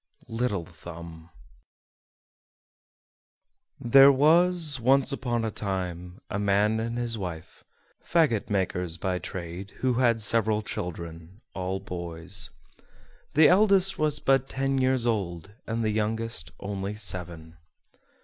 LITTLE THUMB There was, once upon a time, a man and his wife fagot makers by trade, who had several children, all boys. The eldest was but ten years old, and the youngest only seven.